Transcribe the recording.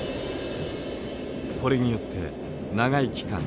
これによって長い期間